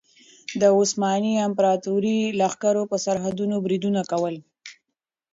د عثماني امپراطورۍ لښکرو پر سرحدونو بریدونه کول.